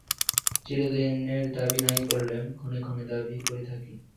চিরদিনের দাবি নাই করলেম, ক্ষণে ক্ষণে দাবি করে থাকি।